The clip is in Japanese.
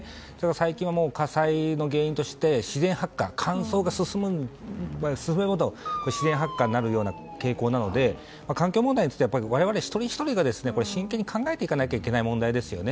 最近は火災の原因として自然発火乾燥が進むと自然発火になるような傾向なので環境問題について我々一人ひとりが真剣に考えていかなければいけない問題ですよね。